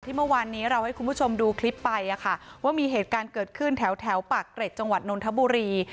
เมื่อวานนี้เราให้คุณผู้ชมดูคลิปไปว่ามีเหตุการณ์เกิดขึ้นแถวปากเกร็ดจังหวัดนนทบุรี